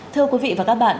thưa quý vị và các bạn